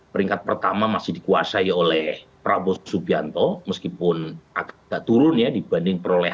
peringkat pertama masih dikuasai oleh prabowo subianto meskipun tidak turun ya dibanding perolehan dua ribu sembilan belas